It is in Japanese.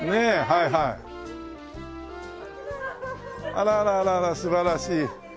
あらあらあらあら素晴らしい。